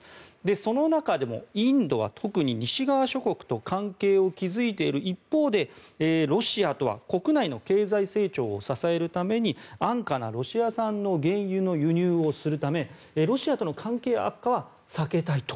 その中でもインドは特に西側諸国と関係を築いている一方でロシアとは国内の経済成長を支えるために安価なロシア産の原油の輸入をするためロシアとの関係悪化は避けたいと。